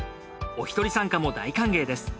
おひとり参加も大歓迎です。